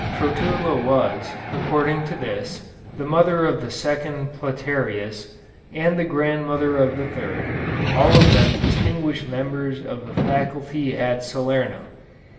Trotula was, according to this, the mother of the second Platearius, and the grandmother of the third, all of them distinguished members of the faculty at Salerno.